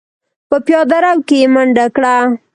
په پياده رو کې يې منډه کړه.